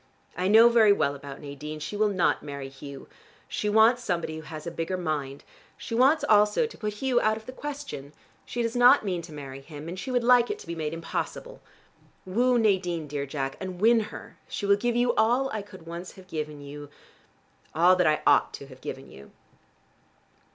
I know very well about Nadine. She will not marry Hugh. She wants somebody who has a bigger mind. She wants also to put Hugh out of the question. She does not mean to marry him, and she would like it to be made impossible. Woo Nadine, dear Jack, and win her. She will give you all I could once have given you, all that I ought to have given you."